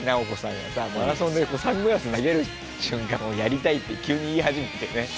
がさマラソンでサングラス投げる瞬間をやりたいって急に言い始めてね。